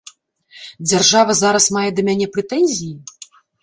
Дзяржава зараз мае да мяне прэтэнзіі?